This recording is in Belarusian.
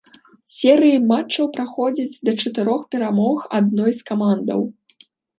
Серыі матчаў праходзяць да чатырох перамог адной з камандаў.